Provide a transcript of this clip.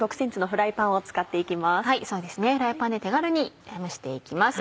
フライパンで手軽に蒸して行きます。